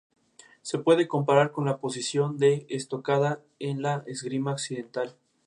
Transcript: Se puede comparar con la posición de estocada en la esgrima occidental.